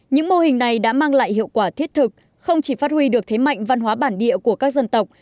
những mô hình này đã mang lại hiệu quả thiết thực không chỉ phát huy được thế mạnh văn hóa bản địa của các dân tộc